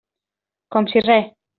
Com si res.